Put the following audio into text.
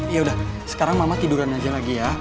ya udah sekarang mama tiduran aja lagi ya